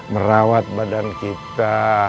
merawat badan kita